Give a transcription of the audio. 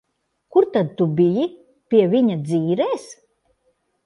Kur tad tu biji? Pie viņa dzīrēs?